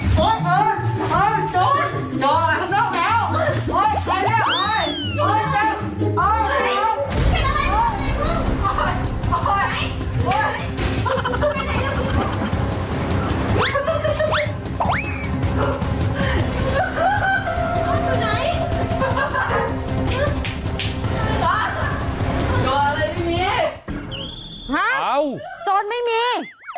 ตัวไหนตัวอะไรไม่มีฮะโจทย์ไม่มี